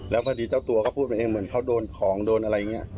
แล้วพอดีเจ้าตัวก็พูดไปเองเหมือนเขาโดนของโดนอะไรอย่างนี้